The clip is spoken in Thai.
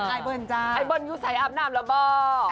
ไอเบิร์นอยู่ใส่อาบน้ำหรือเปล่า